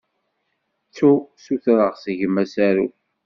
Ttu ssutreɣ seg-m asaruf.